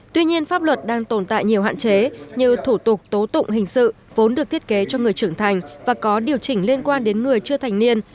tuy nhiên pháp luật đang tồn tại nhiều hạn chế như thủ tục tố tụng hình sự vốn được thiết kế cho người trưởng thành và có điều chỉnh liên quan đến người chưa thành niên